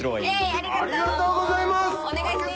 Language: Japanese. ありがとうございます！